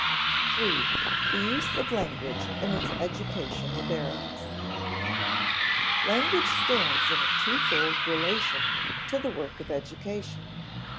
§ 3. The Use of Language in its Educational Bearings Language stands in a twofold relation to the work of education.